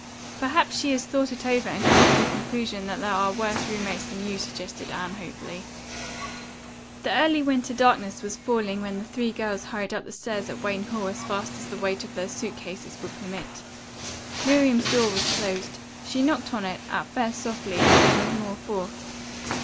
"Perhaps she has thought it over and come to the conclusion that there are worse roommates than you," suggested Anne hopefully. The early winter darkness was falling when the three girls hurried up the stairs at Wayne Hall as fast as the weight of their suit cases would permit. Miriam's door was closed. She knocked on it, at first softly, then with more force.